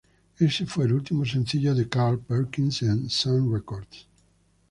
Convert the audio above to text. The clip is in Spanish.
Este fue el último sencillo de Carl Perkins en Sun Records.